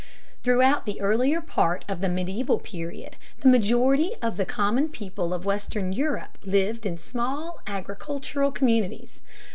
Throughout the earlier part of the medieval period the majority of the common people of western Europe lived in small agricultural communities.